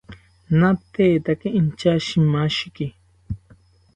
Natekaki inchashimashiki